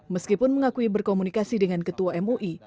meskipun mengakui berkomunikasi dengan ketua mui